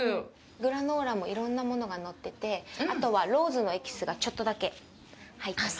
グラノーラも、いろんなものがのってて、あとは、ローズのエキスがちょっとだけ入ってます。